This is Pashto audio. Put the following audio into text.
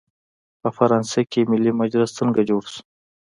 په فرانسه کې ملي مجلس څنګه جوړ شو؟